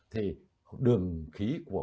thì đường khí của